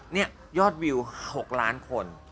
นี่ยอดวิว๖ล้านคน